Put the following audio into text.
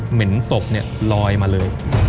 เห็นศพเนี่ยลอยมาเลย